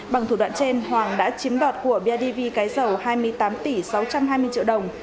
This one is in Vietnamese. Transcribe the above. bằng thủ đoạn trên hoàng đã chiếm đoạt của bidv cái dầu hai mươi tám tỷ sáu trăm hai mươi triệu đồng